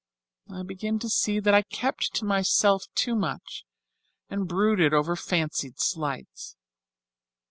I begin to see that I kept to myself too much and brooded over fancied slights."